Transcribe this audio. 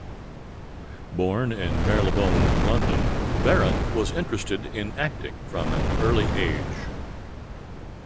Born in Marylebone, London, Barron was interested in acting from an early age.